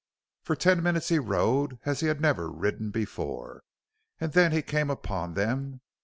For ten minutes he rode as he had never ridden before. And then he came upon them.